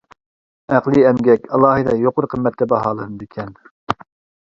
ئەقلىي ئەمگەك ئالاھىدە يۇقىرى قىممەتتە باھالىنىدىكەن.